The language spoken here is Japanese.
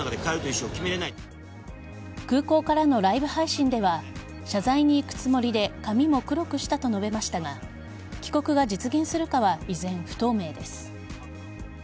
空港からのライブ配信では謝罪に行くつもりで髪も黒くしたと述べましたが帰国が実現するかは依然、不透明です。